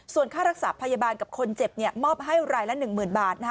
ส่วนค่ารักษาพยาบาลกับคนเจ็บเนี่ยมอบให้รายละหนึ่งหมื่นบาทนะคะ